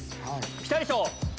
ピタリ賞